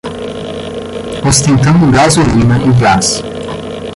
Ostentando gasolina e gás